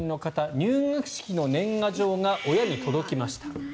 入学式の年賀状が親に届きました。